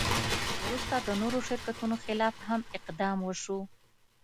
وروسته د نورو شرکتونو خلاف هم اقدام وشو.